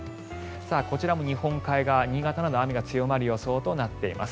こちらも日本海側新潟など雨が強まる予想となっています。